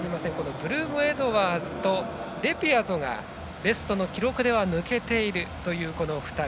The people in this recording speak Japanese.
ブルームエドワーズとレピアトがベストの記録では抜けているという２人。